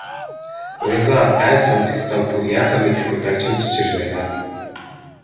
Уянгаа айж сандрахдаа бүр яахаа мэдэхгүй дагжин чичирч байлаа.